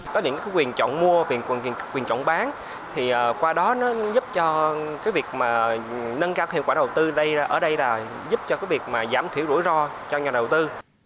có những quyền chọn mua quyền chọn bán thì qua đó nó giúp cho cái việc mà nâng cao hiệu quả đầu tư đây ở đây là giúp cho cái việc mà giảm thiểu rủi ro cho nhà đầu tư